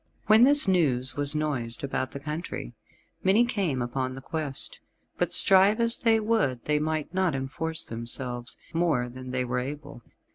When this news was noised about the country, many came upon the quest. But strive as they would they might not enforce themselves more than they were able.